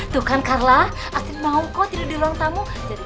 tuh kan karla astri mau kok tidur di ruang tamu